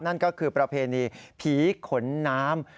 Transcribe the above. นั่นก็คือประเพณีผีขนน้ำ